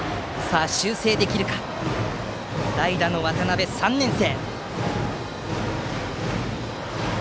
修正できるか代打の渡邉、３年生。